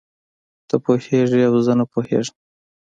ته پوهېږې او زه نه پوهېږم.